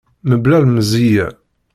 Mebla lemzeyya.